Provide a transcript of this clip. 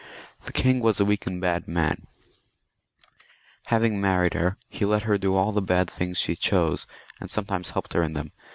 The king was a weak and bad man ; having married her, he let her do all the bad things she chose, and sometimes helped her in them.